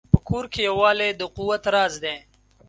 په کور کې یووالی د قوت راز دی.